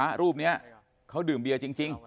อันนี้เขาดื่มเบียจริง